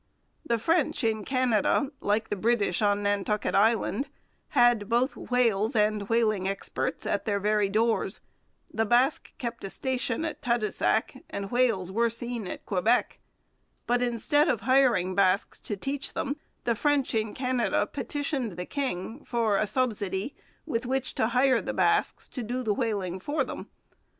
The French in Canada, like the British on Nantucket Island, had both whales and whaling experts at their very doors. The Basques kept a station at Tadoussac, and whales were seen at Quebec. But, instead of hiring Basques to teach them, the French in Canada petitioned the king for a subsidy with which to hire the Basques to do the whaling for them.